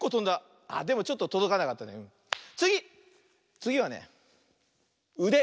つぎはねうで。